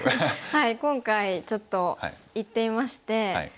はい今回ちょっと行っていまして。